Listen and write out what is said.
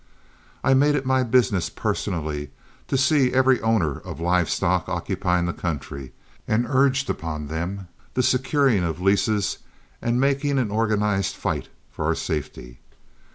I made it my business personally to see every other owner of live stock occupying the country, and urge upon them the securing of leases and making an organized fight for our safety.